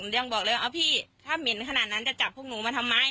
ยังบอกเลยว่าพี่ถ้าเหม็นขนาดนั้นจะจับพวกหนูมาทำไม